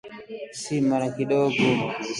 Si mara kidogo